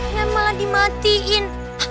ya malah dimatiin